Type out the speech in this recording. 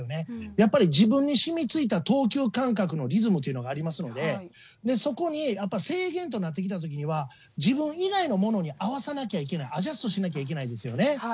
やっぱり自分にしみついた投球感覚のリズムというのがありますので、そこにやっぱ制限となってきたときには自分以外のものに合わせなきゃいけない、アジャストしなきゃいけないですよね。